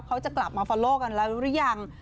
เขาจะกลับมาฟอลโลกันแล้วหรือยัง